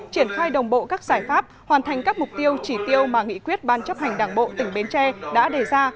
triển khai đồng bộ các giải pháp hoàn thành các mục tiêu chỉ tiêu mà nghị quyết ban chấp hành đảng bộ tỉnh bến tre đã đề ra